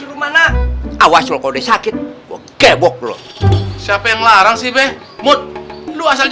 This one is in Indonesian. rumah nak awas lo kode sakit kebok lu siapa yang larang sih be mut lu asal